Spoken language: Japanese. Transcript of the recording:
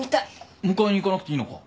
迎えに行かなくていいのか？